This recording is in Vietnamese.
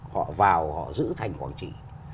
họ vào họ giữ thành quảng trị